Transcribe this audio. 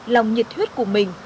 lòng nhiệt huyết của mình